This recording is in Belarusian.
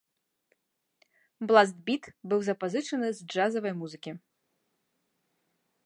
Бласт-біт быў запазычаны з джазавай музыкі.